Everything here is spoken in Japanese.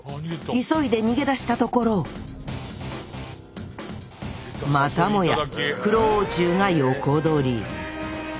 急いで逃げ出したところまたもやクロオウチュウが横取り！